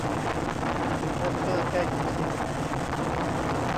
กินแคร็กเกอร์แก้หิวสิ